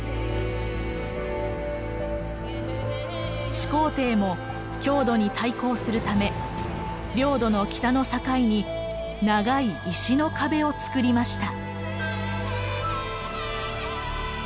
始皇帝も匈奴に対抗するため領土の北の境に長い石の壁をつくりました。